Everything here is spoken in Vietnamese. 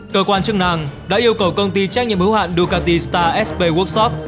cơ quan chức năng đã yêu cầu công ty trách nhiệm hữu hạn ducati star sp workshop